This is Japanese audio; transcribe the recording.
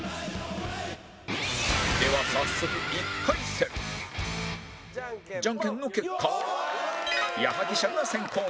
では早速１回戦ジャンケンの結果矢作舎が先攻に